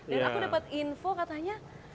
dan aku dapat info katanya